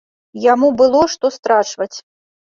Яму было, што страчваць.